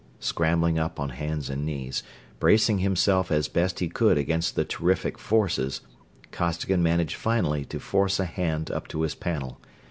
Scrambling up on hands and knees, bracing himself as best he could against the terrific forces, Costigan managed finally to force a hand up to his panel.